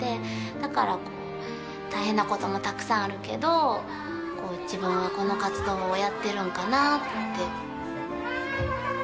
だからこう大変なこともたくさんあるけど自分はこの活動をやってるんかなって。